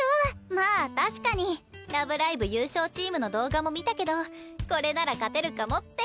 まあ確かに「ラブライブ！」優勝チームの動画も見たけどこれなら勝てるかもって。